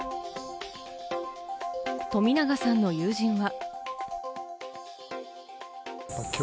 冨永さんの友人は。